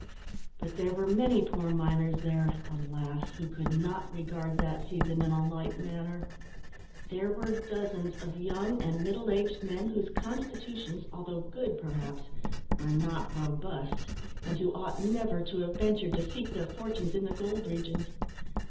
But there were many poor miners there, alas! who could not regard that season in a light manner. There were dozens of young and middle aged men whose constitutions, although good, perhaps, were not robust, and who ought never to have ventured to seek their fortunes in the gold regions.